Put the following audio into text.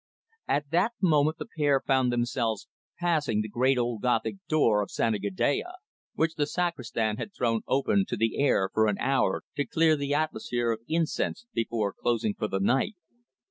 At that moment the pair found themselves passing the great old Gothic door of Santa Gadea, which the sacristan had thrown open to the air for an hour to clear the atmosphere of incense before closing for the night.